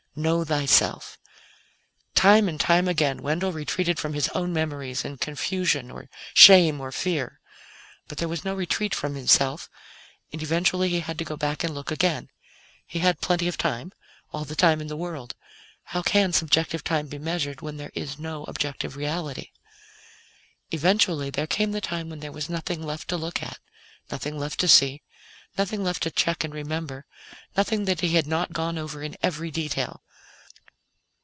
Know thyself. Time and time again, Wendell retreated from his own memories in confusion, or shame, or fear. But there was no retreat from himself, and eventually he had to go back and look again. He had plenty of time all the time in the world. How can subjective time be measured when there is no objective reality? Eventually, there came the time when there was nothing left to look at; nothing left to see; nothing to check and remember; nothing that he had not gone over in every detail.